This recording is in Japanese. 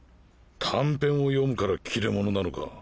短編を読むから切れ者なのか？